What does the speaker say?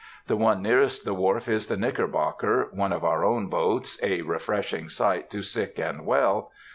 The one nearest the wharf is the Knickerbocker (one of our own boats, a refreshing sight to sick and well).